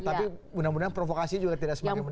tapi mudah mudahan provokasi juga tidak semakin menarik